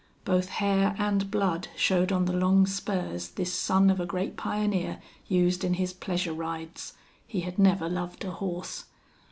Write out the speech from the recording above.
Both hair and blood showed on the long spurs this son of a great pioneer used in his pleasure rides. He had never loved a horse.